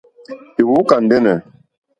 Èwókà ndɛ́nɛ̀.